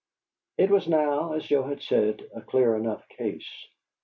It was now, as Joe had said, a clear enough case.